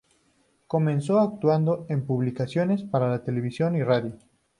Comenzó actuando en publicidades para televisión y radio.